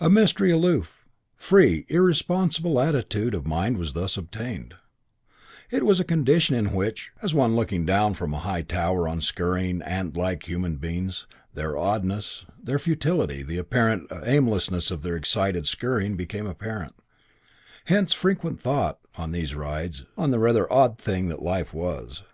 A mysteriously aloof, free, irresponsible attitude of mind was thus obtained: it was a condition in which as one looking down from a high tower on scurrying, antlike human beings their oddness, their futility, the apparent aimlessness of their excited scurrying became apparent; hence frequent thought, on these rides, on the rather odd thing that life was.